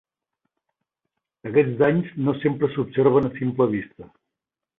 Aquests danys no sempre s’observen a simple vista.